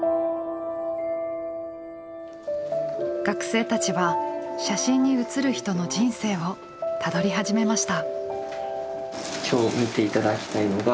学生たちは写真に写る人の人生をたどり始めました。